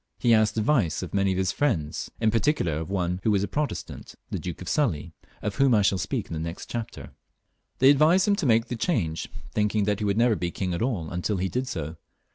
He asked advice of many of his chief friends, in particular of one who was a Protestant, the Duke of Sully, of whom I shall speak in the next chapter. They advised him to make the change, thinking that he would never be king at all until he did so.